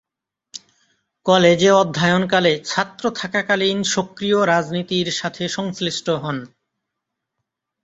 কলেজে অধ্যয়নকালে ছাত্র থাকাকালীন সক্রিয় রাজনীতির সাথে সংশ্লিষ্ট হন।